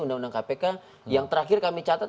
undang undang kpk yang terakhir kami catat